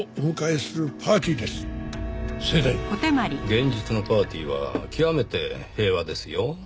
現実のパーティーは極めて平和ですよ。